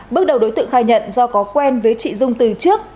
bước đầu đối tượng khai nhận do có quen với chị dung từ trước